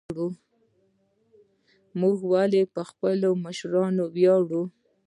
موږ ولې په خپلو مشرانو ویاړو؟